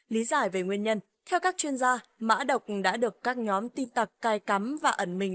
lý giải về nguyên nhân theo các chuyên gia mã độc đã được các nhóm tin tặc cai cắm và ẩn mình